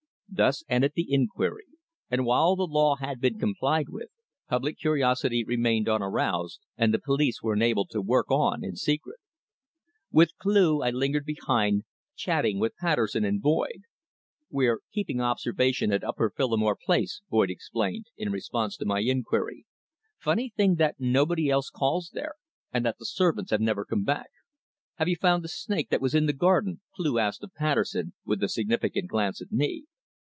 Thus ended the inquiry, and while the law had been complied with, public curiosity remained unaroused, and the police were enabled to work on in secret. With Cleugh I lingered behind, chatting with Patterson and Boyd. "We're keeping observation at Upper Phillimore Place," Boyd explained, in response to my inquiry. "Funny thing that nobody else calls there, and that the servants have never come back." "Have you found the snake that was in the garden?" Cleugh asked of Patterson, with a significant glance at me.